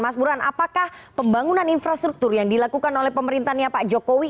mas burhan apakah pembangunan infrastruktur yang dilakukan oleh pemerintahnya pak jokowi